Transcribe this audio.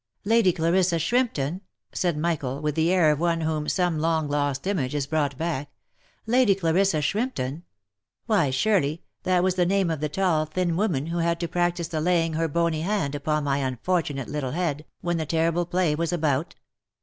" Lady Clarissa Shrimpton?" said Michael, with the air of one to whom some long lost image is brought back —" Lady Clarissa Shrimp ton ? Why, surely, that was the name of the tall, thin woman who had to practise the laying her bony hand upon my unfortunate little head, when the terrible play was about?"